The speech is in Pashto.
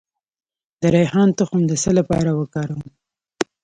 د ریحان تخم د څه لپاره وکاروم؟